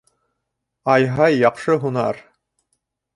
Ай-Һай, яҡшы һунар!